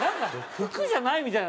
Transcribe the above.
服じゃないみたいな。